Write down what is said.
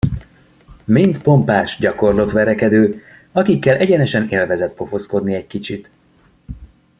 Mind pompás, gyakorlott verekedő, akikkel egyenesen élvezet pofozkodni egy kicsit.